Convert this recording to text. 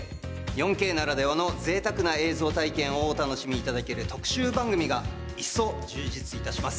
４Ｋならではのぜいたくな映像体験をお楽しみいただける特集番組が一層、充実いたします。